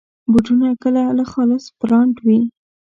بوټونه کله له خاص برانډ وي.